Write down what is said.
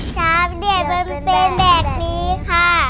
ชาวเดียวมันเป็นแบบนี้ค่ะ